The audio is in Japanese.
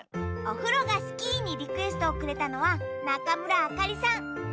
「おふろがスキー」にリクエストをくれたのはなかむらあかりさん。